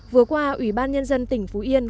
vừa qua ubnd tỉnh phú yên